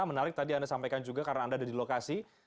menarik tadi anda sampaikan juga karena anda ada di lokasi